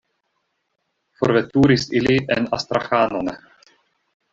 Forveturis ili en Astraĥanon.